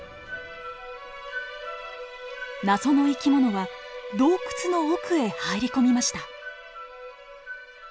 謎の生き物は洞窟の奥へ入り込みました。